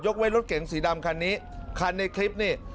ไว้รถเก๋งสีดำคันนี้คันในคลิปนี่